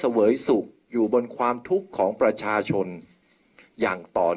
เพื่อยุดยั้งการสืบทอดอำนาจของขอสอชอต่อและยังพร้อมจะเป็นนายกรัฐมนตรี